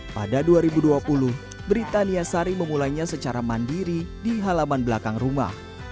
pada dua ribu dua puluh britania sari memulainya secara mandiri di halaman belakang rumah